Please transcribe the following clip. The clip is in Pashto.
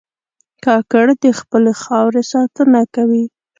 کاکړ د خپلې خاورې ساتنه کوي.